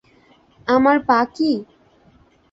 আমার পা কি?